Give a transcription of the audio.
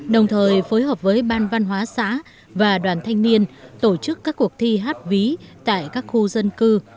đồng thời phối hợp với ban văn hóa xã và đoàn thanh niên tổ chức các cuộc thi hát ví tại các khu dân cư